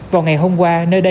vào ngày hôm qua nơi đây